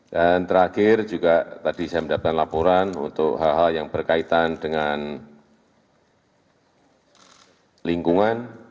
terakhir juga tadi saya mendapatkan laporan untuk hal hal yang berkaitan dengan lingkungan